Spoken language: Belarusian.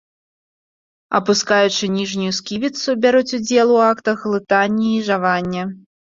Апускаючы ніжнюю сківіцу бяруць удзел у актах глытання і жавання.